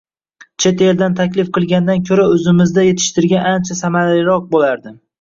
Chet eldan taklif qilgandan ko'ra o'zimizda yetishtirgan ancha samaraliroq bo'lardi.